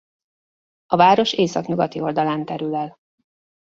A város északnyugati oldalán terül el.